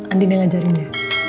andin yang ngajarin ya